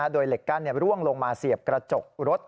โดยเหล็กกั้นร่วงลงมาเสียบกระจกรถ